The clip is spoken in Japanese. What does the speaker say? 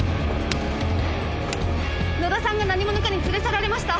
野田さんが何者かに連れ去られました。